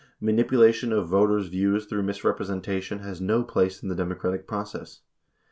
Manipulation of voters' views through misrepresentation has no place in the democratic process.